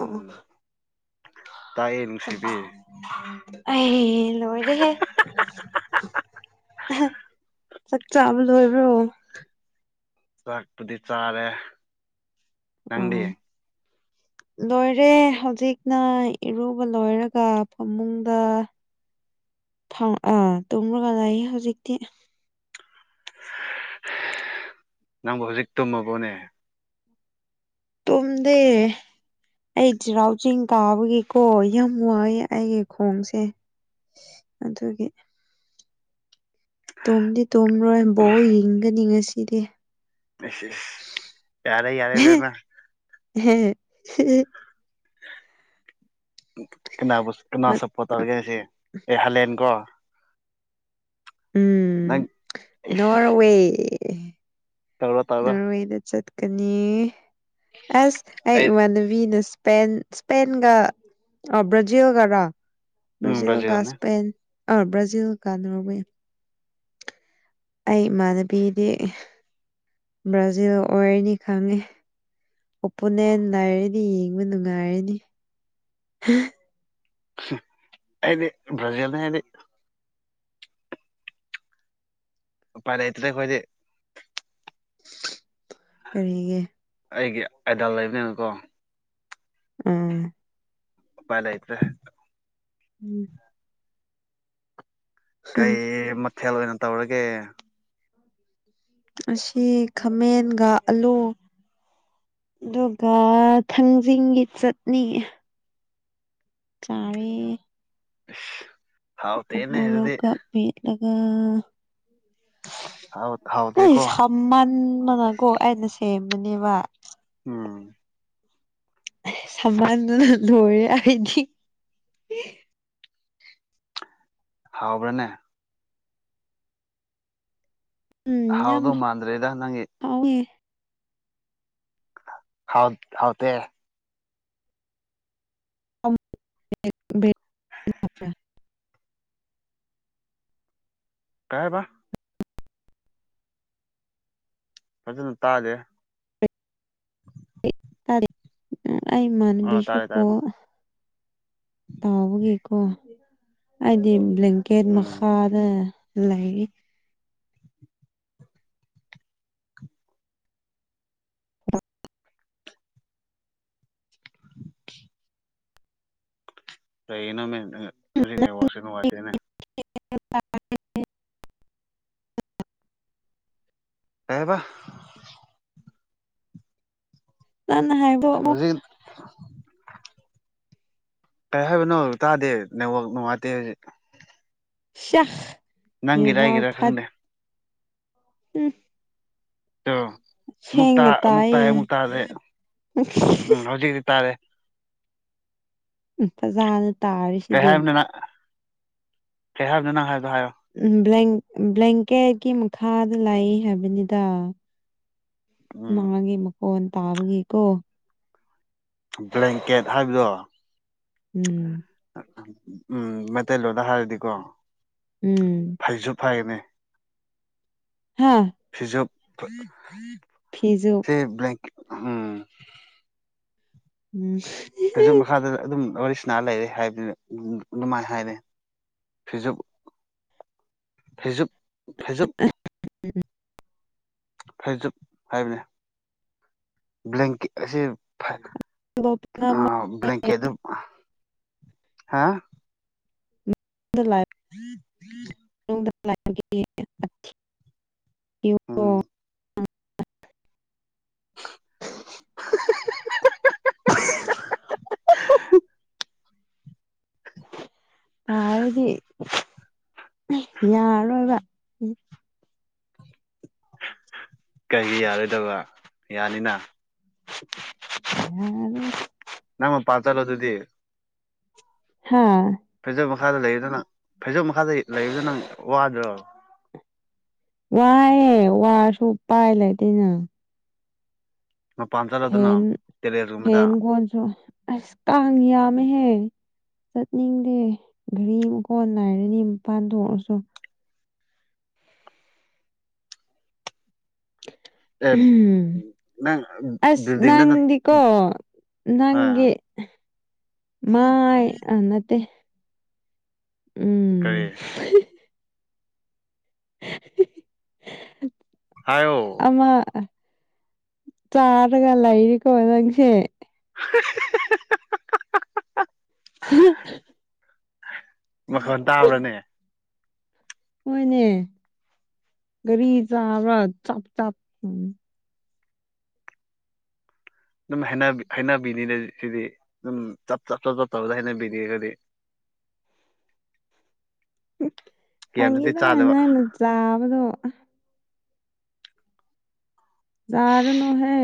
ꯑꯣ ꯇꯥꯏꯌꯦ ꯅꯨꯡꯁꯤꯕꯤ ꯈ ꯑꯩ ꯂꯣꯏꯔꯦꯍꯦ ꯆꯥꯛ ꯆꯥꯕ ꯂꯣꯏꯕ꯭ꯔꯣ ꯆꯥꯛꯄꯨꯗꯤ ꯆꯥꯔꯦ ꯅꯪꯗꯤ ꯑꯣ ꯂꯣꯏꯔꯦ ꯍꯧꯖꯤꯛꯅ ꯏꯔꯨꯕ ꯂꯣꯏꯔꯒ ꯐꯃꯨꯡꯗ [unintelligible] ꯐꯥꯎ ꯑ ꯇꯝ꯭ꯔꯒ ꯍꯧꯖꯤꯛꯇꯤ ꯅꯪꯕꯨ ꯍꯧꯖꯤꯛ ꯇꯨꯝꯃꯕꯣꯅꯦ ꯇꯗ ꯑꯩ ꯆꯩꯔꯥꯎ ꯆꯤꯡ ꯀꯥꯕꯒꯤꯀꯣ ꯌꯥꯝ ꯋꯥꯏ ꯑꯩꯒꯤ ꯈꯣꯡꯁꯦ ꯑꯗꯨꯒꯤ ꯇꯨꯝꯗꯤ ꯇꯨꯝꯔꯣꯏ ꯕꯣꯛ ꯌꯦꯡꯒꯅꯤ ꯉꯁꯤꯗꯤ ꯌꯥꯔꯦ ꯌꯥꯔꯦ ꯔꯅ ꯎꯝ [unintelligible] ꯀꯅꯥꯕꯨ ꯀꯅꯥ ꯁꯞꯄꯣꯔꯠ ꯇꯧꯔꯤꯒꯦꯅꯦ ꯁꯤ ꯑꯦ ꯍꯂꯦꯟ ꯀꯣ ꯅꯪ ꯎꯝ ꯏꯁ ꯅꯣꯔꯋꯦ ꯇꯧꯔꯣ ꯇꯧꯔꯣ ꯅꯣꯔꯋꯦꯗ ꯆꯠꯀꯅꯤ ꯑꯁ ꯑꯩ ꯏꯃꯥꯟꯅꯕꯤꯅ ꯁꯄꯦ ꯁꯄꯦꯟꯒ ꯭ꯔꯖꯤꯜꯒꯔ ꯎꯝ ꯕ꯭ꯔꯥꯖꯤꯜꯒ ꯕ꯭ꯔꯥꯖꯤꯜꯅꯦ ꯏꯁꯄꯦꯟ ꯑꯥ ꯕ꯭ꯔꯥꯖꯤꯜꯒ ꯅꯣꯔꯋꯦ ꯑꯩ ꯏꯃꯥꯟꯅꯕꯤꯗꯤ ꯕ꯭ꯔꯥꯖꯤꯜ ꯑꯣꯏꯔꯅꯤ ꯈꯪꯉꯤ ꯑꯣꯄꯨꯅꯦ ꯂꯩꯥꯏꯔꯅꯤ ꯌꯦꯡꯕ ꯅꯨꯡꯉꯥꯏꯔꯅꯤ ꯑꯩꯗꯤ ꯕ꯭ꯔꯖꯤꯜ ꯅ ꯏꯗꯤ ꯄꯔꯇꯦꯈꯣꯏꯗꯤꯦ ꯀꯔꯤꯒꯦ ꯑꯩꯒꯤ ꯑꯥꯏꯗꯥꯜ ꯂꯩꯕꯅꯤꯅꯀꯣ ꯑꯥ ꯐꯂꯥꯏꯇ꯭ꯔꯦ ꯎꯝ ꯀꯩ ꯃꯊꯦꯜꯅ ꯇꯧꯔꯒꯦ ꯑꯁꯤ ꯈꯥꯃꯦꯟꯒ ꯑꯥꯂꯨ ꯑꯗꯨꯒ ꯊꯥꯡꯖꯤꯡꯒꯤ ꯆꯠꯅꯤ ꯆꯔ ꯑ ꯃꯣꯔꯣꯒ ꯄꯦꯠ ꯂꯒꯥ ꯍꯥꯎ ꯅ ꯍꯥꯎꯇꯦꯀꯣ ꯁꯃꯟ ꯃꯅꯀꯣ ꯑꯩꯅ ꯁꯦꯝꯕꯅꯦꯕ ꯎꯝ ꯁꯃꯥꯟꯗꯨꯅ ꯂꯣꯏꯔꯦ ꯑꯩꯗꯤ ꯍꯥꯥꯎꯕ꯭ꯔꯥꯅꯦ ꯎꯝ ꯌꯥꯝ ꯍꯥꯎꯗꯣ ꯃꯥꯥꯟꯗ꯭ꯔꯦꯗ ꯅꯪꯒꯤ ꯍꯥꯎꯋꯦ ꯍꯥꯎ ꯍꯥꯎꯇ [unintelligible] ꯀꯥꯏꯕ ꯐꯖꯅ ꯇꯥꯖꯦ ꯑꯩꯥꯟ ꯑꯥ ꯇꯥꯔꯦ ꯇꯥꯔꯦ ꯁꯀꯣ ꯑꯃꯨꯛ ꯇꯥꯎꯕꯒꯤꯀꯣ ꯍꯥꯏꯗꯤ ꯕ꯭ꯂꯦꯡꯀꯦꯠ ꯎꯝ ꯃꯈꯥꯗ ꯂꯩꯦ ꯏꯅ ꯃ ꯍꯧꯖꯤ ꯅ ꯋꯥꯔꯁꯤ ꯅꯅꯨꯡ ꯋꯥꯔꯁꯦꯅꯦ [unintelligible] ꯑꯦꯕ ꯅ ꯅꯥꯏ [unintelligible] ꯀꯩ ꯍꯥꯏꯕꯅꯣ ꯇꯥꯗꯦ ꯅꯋꯥꯛ ꯅꯨꯡꯉꯥꯏꯇꯦ ꯍꯧꯖꯤꯛ ꯁꯦꯛ ꯅꯪꯒꯦꯔꯥ ꯍꯥꯏꯒꯦꯔꯥ ꯈꯪꯗꯦ ꯎꯝ ꯑ ꯑꯃꯨꯛ ꯁꯦꯡꯅ ꯑꯃꯨꯛ ꯇꯥꯏꯌꯦ ꯇꯥꯏꯔꯦ ꯑꯃꯨꯛ ꯇꯥꯔꯦ ꯎꯝ ꯍꯧꯖꯤꯛꯛꯇꯤ ꯇꯥꯔꯦ ꯎꯝ ꯐꯖꯥꯅ ꯇꯥꯔꯤꯁꯤꯗꯤ ꯐ ꯍꯥꯏꯗꯅ ꯍꯥꯏꯕ ꯎꯝ ꯕ꯭ꯂꯦꯡꯀꯦꯠꯀꯤ ꯃꯈꯥꯗ ꯂꯥꯛꯏ ꯍꯥꯏꯕꯅꯤꯗ ꯎꯝ ꯃꯥꯒꯤꯦ ꯃꯈꯨꯀꯣꯟꯟ ꯇꯥꯕꯒꯦꯀꯣ ꯕ꯭ꯂꯦꯡꯀꯦꯠ ꯍꯥꯏꯕꯗꯣ ꯎꯝ ꯎꯝ ꯃꯩꯇꯩꯂꯣꯟꯗ ꯍꯥꯏꯔꯗꯤꯀꯣ ꯎꯝ ꯐꯩꯁꯨ ꯐꯩꯅꯤ ꯍꯥ ꯄꯤꯖ ꯐꯤꯖꯨ ꯭ꯂ ꯎꯝ ꯎꯝ ꯍꯧꯁꯨꯛ ꯃꯈꯥꯗ ꯑꯗꯨꯝ ꯋꯥꯔꯤꯁꯅꯥ ꯂꯩꯔꯦ ꯍꯥꯏꯕꯗꯨꯅ ꯑꯗꯨꯃꯥꯏ ꯍꯥꯏꯔꯦ ꯐꯤꯖꯨꯞ ꯍꯖꯞ [unintelligible] ꯐꯩꯖꯠ ꯍꯥꯏꯕꯅꯦ ꯕ꯭ꯂꯦꯡꯀꯦꯠ ꯑꯁꯤ ꯂꯣꯞꯄꯅ ꯑ ꯑꯃꯗ ꯕ꯭ꯂꯀꯦꯠ ꯍꯥꯦ ꯂꯥꯏ ꯎ ꯎꯝ ꯎꯝ ꯣ ꯍꯥꯏꯔꯗꯤ ꯌꯥꯔꯔꯣꯏꯕ ꯀꯩꯒꯤ ꯌꯥꯔꯣꯏꯗꯧꯕ ꯌꯥꯅꯤꯅ ꯍ ꯅꯪ ꯃꯄꯥꯥꯟ ꯆꯠꯂꯣ ꯑꯗꯨꯗꯤ ꯍꯥꯥ ꯐꯩꯖꯣ ꯃꯈꯥꯗ ꯂꯩꯕꯗ ꯅꯪ ꯐꯩꯖꯣꯝ ꯃꯈꯥꯗ ꯂꯩꯕꯗ ꯅꯪ ꯋꯥꯗꯣꯏꯣ ꯋꯥ ꯑꯦꯦ ꯋꯥ ꯁ ꯄꯥꯏ ꯂꯩꯇꯅ ꯃꯄꯥꯟ ꯆꯠꯂꯣꯗꯅ ꯐꯦꯟ ꯇꯦꯔꯦꯁꯒꯨꯝꯕꯗ ꯐꯦꯟ ꯀꯣꯣꯟꯁꯨ ꯀꯌꯥꯝ ꯍ ꯆꯠꯅꯤꯡꯗꯦ ꯘꯔꯤ ꯃꯈꯨ ꯀꯣꯟ ꯅꯥꯏꯔꯅꯤꯄꯥꯟꯊꯣꯛꯔꯁꯨ ꯑꯦ ꯅꯪ ꯑꯁ ꯕꯤꯜꯗꯤꯡꯗ ꯅꯠ ꯅꯪꯗꯤꯀꯣ ꯑꯥ ꯅꯪꯦ ꯃꯥꯏꯅꯠꯇꯦ ꯇꯔꯦ ꯍꯥꯏꯌꯣ ꯑꯃ ꯆꯥꯔꯒ ꯂ ꯏꯅꯤ ꯀꯣ ꯑꯣꯏꯁꯦ [unintelligible] ꯍ [unintelligible] ꯃꯈꯣꯟ ꯇꯥꯕ꯭ꯔꯅꯦ꯫ ꯍꯣꯏꯅꯦ ꯒꯥꯔꯤ ꯆꯥꯕ ꯆꯞ ꯆꯞ꯫ ꯑꯗꯨꯝ ꯍꯩꯅꯕꯤ ꯍꯩꯅꯕꯤꯅꯤꯅ ꯁꯤꯗꯤ ꯑꯗꯨꯝ ꯆꯞ ꯆꯞ ꯆ ꯆꯞ ꯇꯧꯗ ꯍꯩꯅꯕꯤꯅꯤꯁꯤꯗꯤ꯫ [inaudible] [unintelligible] ꯍꯪꯉꯤꯕ ꯅꯪꯅ ꯆꯥꯕꯗꯣ꯫ ꯆꯔꯨꯅꯣꯍꯦ꯫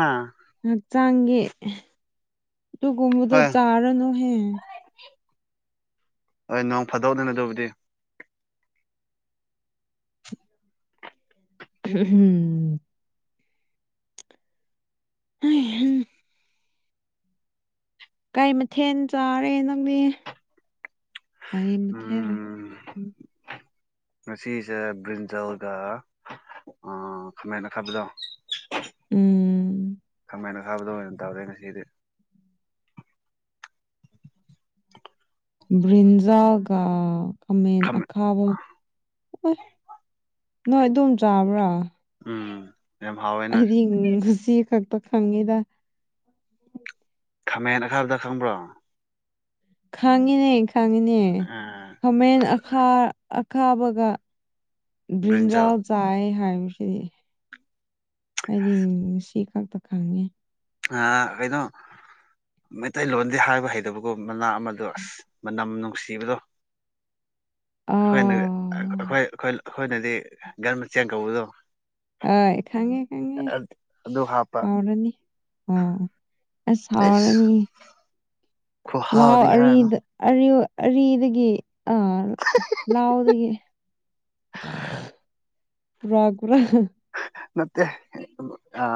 ꯑꯥ꯫ ꯍꯛꯆꯥꯡꯒꯤ ꯑꯗꯨꯒꯨꯝꯕꯗꯨ ꯍꯣꯏ ꯆꯥꯔꯅꯨꯍꯦ꯫ ꯍꯣꯏ ꯅꯣꯡ ꯐꯥꯗꯣꯛꯅꯤꯅ ꯑꯗꯨꯕꯨꯗꯤ꯫ [unintelligible] ꯎꯝ ꯍꯩꯍꯥ ꯀꯩ ꯃꯊꯦꯜ ꯆꯥꯔꯦ ꯅꯪꯗꯤ꯫ ꯄꯌꯦ ꯃꯊꯦꯜꯅꯣ [unintelligible] ꯎꯝ ꯉꯁꯤꯁꯦ ꯕ꯭ꯔꯤꯟꯖꯜꯗ ꯑꯥ ꯈꯥꯃꯦꯟ ꯑꯈꯥꯕꯗꯣ꯫ ꯎꯝ꯫ ꯈꯥꯃꯦꯟ ꯑꯈꯥꯕꯗꯣ ꯑꯣꯏꯅ ꯇꯧꯔꯦ ꯉꯁꯤꯗꯤ꯫ ꯭ꯕ꯭ꯔꯤꯟꯖꯜꯒ ꯈꯥꯃꯦꯟ ꯑꯈꯥꯕ ꯑꯣꯏ ꯅꯣꯏ ꯑꯗꯨꯝ ꯆꯥꯕ꯭ꯔꯥ꯫ ꯎꯝ ꯌꯥꯝ ꯍꯥꯎꯋꯦꯅ ꯑꯩꯗꯤ ꯉꯁꯤ ꯈꯛꯇ ꯈꯪꯉꯤꯗ꯫ ꯈꯥꯃꯦꯟ ꯑꯈꯥꯕꯗ ꯈꯪꯕ꯭ꯔꯣ꯫ ꯈꯪꯡꯉꯤꯅꯦ ꯈꯪꯡꯉꯤꯅꯦ ꯑꯥ ꯈꯃꯦꯟ ꯑꯈꯥ ꯑ ꯑꯈꯥꯕꯒ ꯕ꯭ꯔꯤꯟꯖꯜ ꯕ꯭ꯔꯤꯟꯖꯥꯜ ꯆꯥꯏ ꯍꯥꯏꯁꯤꯅꯤ꯫ ꯑꯩꯗꯤ ꯉꯁꯤ ꯈꯛꯇ ꯈꯪꯉꯤ꯫ ꯍꯥꯥ ꯀꯩꯗꯣ꯫ ꯃꯩꯇꯩꯂꯣꯟꯗꯤ ꯍꯥꯏꯕ ꯍꯩꯇꯕꯒꯨꯝ ꯃꯅꯥ ꯑꯃꯗꯣ ꯑꯁ ꯃꯅꯝ ꯅꯨꯡꯁꯤꯕꯗꯣ꯫ ꯑꯩꯈꯣꯏꯅ ꯑꯥ ꯑꯩꯈꯣꯏ ꯑꯩꯈꯣꯏꯅꯗꯤ ꯒꯟ ꯃꯆꯦꯡ ꯀꯧꯕꯗꯣ꯫ ꯍꯣꯏ ꯈꯪꯉꯦ ꯈꯪꯉꯦ꯫ ꯑꯗꯨ ꯍꯥꯞꯄ ꯍꯥꯎꯔꯅꯤ ꯑꯣ ꯑꯁ ꯍꯥꯎꯔꯅꯤ꯫ ꯑꯩꯁ ꯂꯑꯣ ꯈꯨꯍꯥꯎꯗꯤ ꯍꯥꯏꯔꯅꯨ ꯑꯔꯤꯗ ꯑꯔꯤꯎ ꯑꯔꯤꯗꯒꯤ ꯑꯥ ꯂꯥꯎꯗꯒꯤ [unintelligible] ꯄꯨꯔꯥ ꯀꯨꯔꯥ [unintelligible] ꯅꯠꯇꯦ ꯍꯦ [unintelligible] ꯍꯥ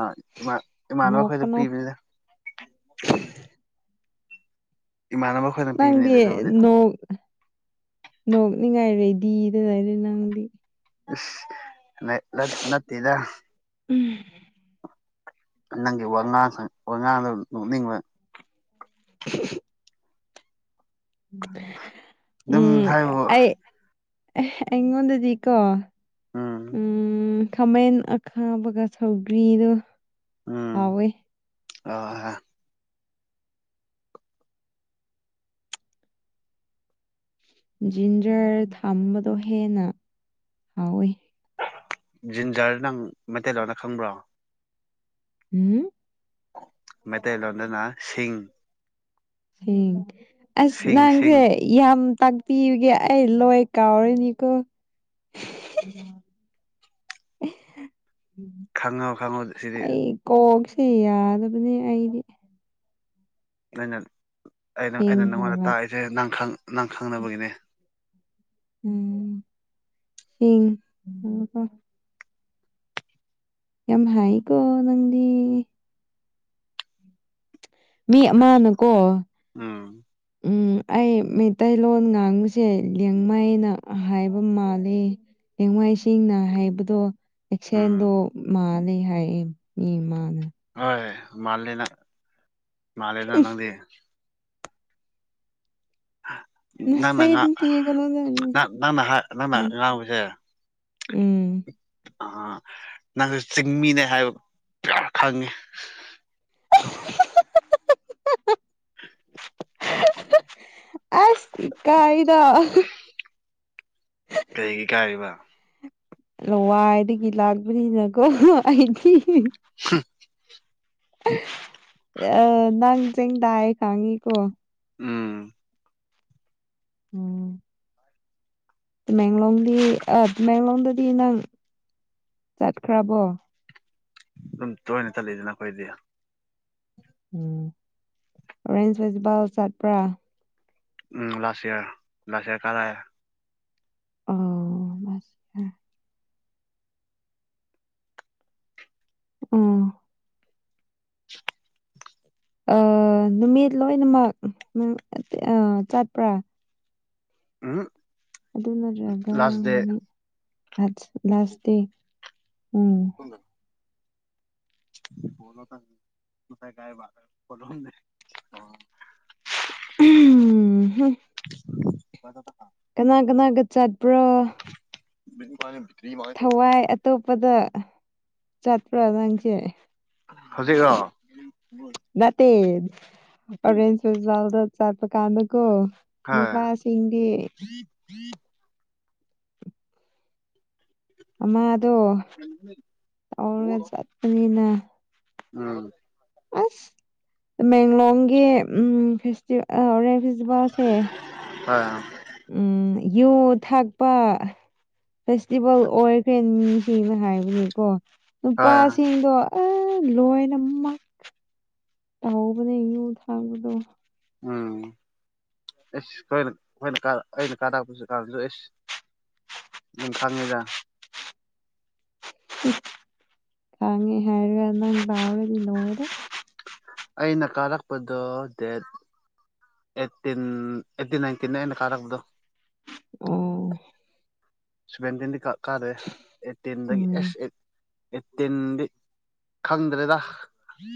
ꯏꯃꯥꯟ ꯏꯃꯥꯟꯅꯈꯣꯏꯗ ꯅꯣꯛꯀꯅꯣ ꯄꯤꯕꯅꯤꯗ꯫ [unintelligible] ꯏꯃꯥꯟꯅꯕ ꯑꯩꯈꯣꯏꯅ ꯅꯪꯪꯗꯤ ꯄꯤꯕꯅꯤꯗ ꯑꯗꯨꯕꯨꯗꯤ ꯅꯣꯛ ꯅꯣꯛꯅꯤꯡꯉꯥꯏ ꯔꯦꯗꯤꯗ ꯂꯩꯔꯤ ꯅꯪꯗꯤ꯫ ꯏꯁ ꯅꯠ ꯅꯠ ꯅꯠꯇꯦꯗ ꯫ ꯎꯝ ꯅꯪꯒꯤ ꯋꯥꯉꯥꯡꯁ ꯋꯥꯉꯥꯡꯗ ꯅꯣꯛꯅꯤꯡꯕ꯫ [unintelligible] ꯑꯗꯨꯝ ꯎꯝ ꯍꯥꯏꯕꯨ ꯑꯩ ꯑꯩꯉꯣꯟꯗꯗꯤꯀꯣ ꯎꯝ ꯎꯝ ꯈꯥꯃꯦꯟ ꯑꯈꯥꯕꯒ ꯁꯧꯒ꯭ꯔꯤꯗꯣ ꯍꯥꯎꯋꯦ꯫ ꯑ ꯍ ꯖꯤꯟꯖꯔ ꯊꯝꯕꯗꯣ ꯍꯦꯟꯅ ꯍꯥꯎꯋꯤ꯫ ꯖꯤꯟꯖꯔ ꯅꯪ ꯃꯩꯇꯩ ꯂꯣꯟꯗ ꯈꯪꯕ꯭ꯔꯣ꯫ ꯍꯨꯝꯝ ꯃꯩꯇꯩꯂꯣꯟꯗꯅ ꯁꯤꯡ꯫ ꯎ ꯑꯁ ꯁꯤꯡ ꯅꯪꯁꯦ ꯁꯤꯡ ꯌꯥꯝ ꯇꯥꯛꯄꯤꯌꯨꯒꯦ ꯑꯩ ꯂꯣꯏ ꯀꯥꯎꯔꯤꯅꯤꯀꯣ [unintelligible] ꯈꯪꯉꯣ ꯈꯪꯉꯣ ꯁꯤꯗꯤ ꯑꯩ ꯀꯣꯛꯁꯦ ꯌꯥꯗꯕꯅꯦ ꯑꯩꯗꯤ ꯑꯩꯅ ꯑꯩꯅ ꯁꯦꯡ ꯑꯩꯅ ꯅꯪꯉꯣꯟꯗ ꯍꯥꯏꯕ ꯇꯥꯛꯏꯁꯦ ꯅ ꯅꯪ ꯈꯪꯅꯕꯒꯤꯅꯦ ꯎꯝ ꯁꯤ ꯍ ꯌꯥꯝ ꯍꯥꯏꯥꯏꯀꯣ ꯅꯪꯗꯤ ꯃꯤ ꯑꯃꯅꯀꯣ ꯎꯝ ꯎꯝ ꯑꯩ ꯃꯩꯇꯩꯂꯣꯟ ꯉꯥꯡꯕꯁꯦ ꯂꯦꯡꯃꯥꯏꯅ ꯍꯥꯏꯕ ꯃꯥꯜꯂꯤ ꯆꯦꯡꯋꯥꯏꯁꯤꯡꯅ ꯍꯥꯏꯕꯗꯣ ꯎꯝ ꯑꯦꯛꯁꯦꯟꯗꯣ ꯃꯥꯂ ꯍꯥꯏꯔꯑꯦ ꯃꯤ ꯏꯃꯥꯅ ꯍꯣꯏꯣꯏ ꯃꯥꯜꯂꯅ ꯃꯥꯂꯅ ꯅꯪꯗꯤ ꯃꯁ ꯅꯪꯅ ꯉꯥ ꯊ ꯀꯣ ꯅꯪꯅ ꯅꯪꯅ ꯉꯥꯡꯕꯁꯦ ꯎꯝ ꯑ ꯅꯪꯁꯨ ꯆꯤꯡꯃꯤꯅꯦ ꯍꯥꯏꯕ ꯈꯪꯉꯤ [unintelligible] [unintelligible] ꯑꯁ ꯀꯥꯏꯗ ꯀꯩꯒꯤ ꯀꯥꯏꯔꯤꯕ ꯂꯋꯥꯏꯗꯒꯤ ꯂꯥꯛꯄꯅꯤꯅꯀꯣ ꯑꯩꯗꯤ ꯍ ꯑ ꯅꯪ ꯆꯤꯡ ꯇꯑ ꯈꯥꯉꯤꯀꯣ ꯎꯝ ꯎꯝ ꯇꯃꯦꯦꯡꯡꯂꯣꯡꯗꯤ ꯑ ꯇꯃꯦꯡꯂꯣꯡꯗꯗꯤ ꯅꯪ ꯆꯠꯈ꯭ꯔꯥꯕꯣ ꯑꯗꯨꯝ ꯇꯣꯏꯅ ꯆꯠꯂꯤꯗꯅꯈꯣꯏꯗꯤ ꯎꯝ ꯑꯣꯔꯦꯟꯖ ꯐꯦꯁꯇꯤꯚꯦꯜ ꯆꯠꯄ꯭ꯔꯥ ꯎꯝ ꯂꯥꯁꯌꯥ ꯂꯥꯁꯌꯥ ꯀꯔꯦ ꯑꯣꯁꯔ ꯑꯥ ꯑ ꯅꯨꯃꯤꯠ ꯂꯣꯏꯅꯃꯛ ꯆꯠꯄ꯭ꯔꯥ ꯑ ꯑꯗꯨ ꯅꯠꯇ꯭ꯔꯒ ꯅꯨꯃꯤꯠ ꯂꯥꯁ ꯗꯦ ꯎꯝ ꯍꯣꯂꯣꯥꯏ ꯀ ꯐ ꯎꯝ ꯀꯅꯥ ꯀꯅꯥꯒ ꯆꯠꯄ꯭ꯔꯣ ꯃ ꯄ ꯊꯋꯥꯏ ꯑꯇꯣꯞꯄꯗ ꯆꯠꯄ꯭ꯔꯥ ꯅꯪꯁꯦ ꯍꯧꯖꯤꯛꯔꯣ ꯅꯠꯇꯦꯦꯟꯁꯁ ꯆꯗ ꯆꯠꯄ ꯀꯥꯟꯗꯀꯣ ꯍꯣꯏ ꯅꯨꯄꯥꯁꯤꯡꯗꯤ ꯑꯃꯥꯗꯣ ꯇꯧꯔꯒ ꯆꯠꯄꯅꯤꯅ ꯎꯝ ꯃꯦꯃꯦꯡꯂꯣꯡꯒꯤ ꯎꯝ ꯐꯦꯇ ꯑꯣꯣꯔꯦꯟ ꯐꯦꯁꯇꯤꯚꯦꯜꯁꯦ ꯑ ꯎꯝ ꯌꯨ ꯊꯥꯛꯄ ꯐꯦꯁꯇꯤꯚꯦꯜ ꯑꯣꯏꯈ꯭ꯔꯦ ꯃꯤꯁꯤꯡꯅ ꯍꯥꯏꯕꯅꯦꯀꯣ ꯍꯣꯏ ꯅꯨꯄꯥꯁꯤꯡꯗꯣ ꯑ ꯂꯣꯏꯅꯃꯛ ꯇꯥꯎꯕꯅꯦ ꯉꯨ ꯊꯥꯡꯕꯗꯣ ꯎꯝ ꯑꯦꯁ ꯑꯩꯣꯏꯅꯈꯣꯏꯅ ꯑꯩꯅ ꯀꯥꯔꯛꯄꯁꯨ ꯀꯥꯟꯅꯁꯨ ꯑꯦꯁ ꯑꯗꯨꯝ ꯈꯪꯉꯤꯗ ꯀꯥꯉꯤ ꯍꯥꯏꯔꯒ ꯄꯥꯕꯅꯤꯔ ꯑꯩꯅ ꯀꯥꯔꯛꯄꯗ ꯗꯦꯠ ꯑꯦꯠꯇꯤꯟ ꯑꯦꯠꯇꯤꯟꯇꯤ ꯅꯩꯅ ꯀꯥꯔꯛꯄꯗꯣ ꯑꯣ ꯁꯦꯚꯦꯟꯇꯤꯟꯗꯤ ꯀꯥ ꯀꯥꯔꯦ ꯑꯩꯠꯇꯤꯟꯗꯒꯤ ꯑꯦꯁ ꯑꯦ ꯑꯦꯠꯇꯤꯟꯗꯤ ꯈꯪꯗ꯭ꯔꯦꯗ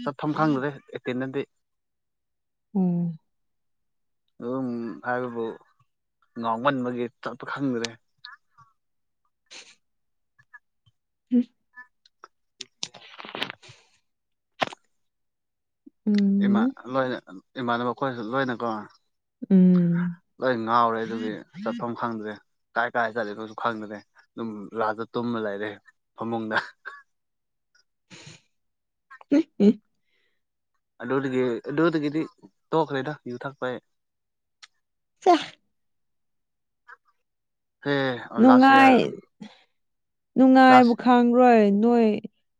ꯆꯠꯐꯝ ꯈꯪꯗ꯭ꯔꯦ ꯑꯦꯇꯦꯟꯗꯦꯟꯗꯤ ꯎꯝ ꯑꯗꯨꯝ ꯍꯥꯏꯕꯕꯨ ꯉꯥꯎꯃꯟꯕꯒꯤ ꯇꯠꯄ ꯈꯪꯗ꯭ꯔꯦ [unintelligible] ꯎꯝ ꯏꯃꯥ ꯂꯣꯏꯅ ꯏꯃꯥꯟꯅꯕ ꯑꯩꯈꯣꯏꯁꯨ ꯂꯣꯏꯅ ꯀꯣ ꯂꯣꯏ ꯉꯥꯎꯔꯦ ꯑꯗꯨꯗꯤ ꯆꯠꯐꯝ ꯈꯪꯗ꯭ꯔꯦ ꯀꯥꯏ ꯀꯥꯏ ꯆꯠꯂꯅꯣꯁꯨ ꯈꯪꯗ꯭ꯔꯦ ꯑꯗꯨꯝ ꯔꯥꯖꯗ ꯇꯨꯝꯃ ꯂꯩꯔꯦ ꯐꯃꯨꯡꯗ ꯍ ꯑꯗꯨꯗꯒꯤ ꯑꯗꯨꯗꯒꯤꯗꯤ ꯇꯣꯛꯈ꯭ꯔꯦꯗ ꯌꯨ ꯊꯛꯄ ꯆ ꯍꯦ ꯂꯥꯁ ꯅꯨꯡꯉꯥꯏ ꯏꯌꯥꯔ ꯂꯥꯁ ꯅꯨꯡꯉꯥꯏꯕ ꯈꯪꯈ꯭ꯔꯣꯏ ꯅꯣꯏ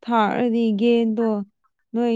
ꯊꯥꯛꯑꯗꯤ ꯒꯦꯟꯗꯣ ꯅꯣꯏ